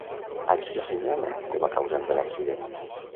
A qui s'assenyala com a causant de l'accident?